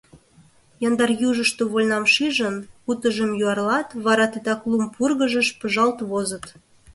Яндар южышто вольнам шижын, утыжымат юарлат, вара титак лум пургыжыш пыжалт возыт.